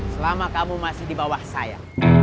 selama kamu masih di bawah saya